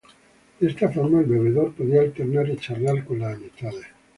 De esta forma el bebedor podía alternar y charlar con las amistades.